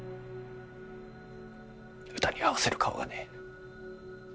うたに合わせる顔がねぇ。